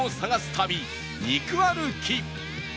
旅肉歩き